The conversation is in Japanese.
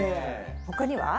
他には？